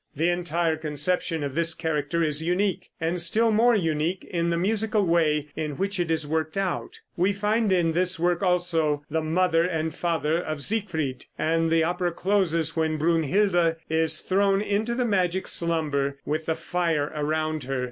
The entire conception of this character is unique, and still more unique in the musical way in which it is worked out. We find in this work also the mother and father of Siegfried, and the opera closes when Brunhilde is thrown into the magic slumber with the fire around her.